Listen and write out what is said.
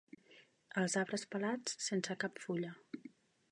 Els arbres pelats sense cap fulla.